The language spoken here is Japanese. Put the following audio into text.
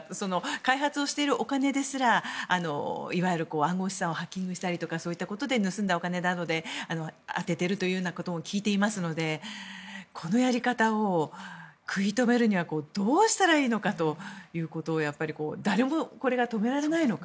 開発をしているお金ですらいわゆる暗号資産をハッキングしたりとかそういったことで盗んだお金などで充ててるということも聞いていますのでこのやり方を食い止めるにはどうしたらいいのかということをやっぱり誰もこれが止められないのか。